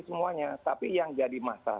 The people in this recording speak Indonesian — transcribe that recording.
semuanya tapi yang jadi masalah